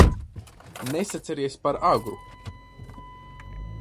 Nesaceries par agru!